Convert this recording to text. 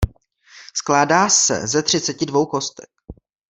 Skládá se ze třiceti dvou kostek.